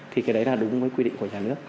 thì cái đấy là đúng với quy định của nhà nước